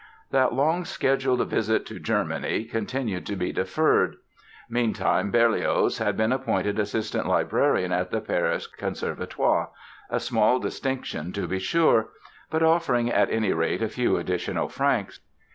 That long scheduled visit to Germany continued to be deferred. Meantime Berlioz had been appointed assistant librarian at the Paris Conservatoire, a small distinction, to be sure; but offering at any rate a few additional francs.